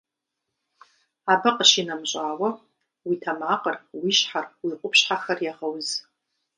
Абы къищынэмыщӏауэ, уи тэмакъыр, уи щхьэр, уи къупщхьэхэр егъэуз.